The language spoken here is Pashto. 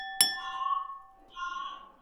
شرقي او غربي کسان د مصونيت په لټه کي کيدای سي.